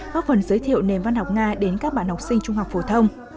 góp phần giới thiệu nền văn học nga đến các bạn học sinh trung học phổ thông